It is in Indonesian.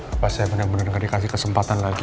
apa saya bener bener gak dikasih kesempatan lagi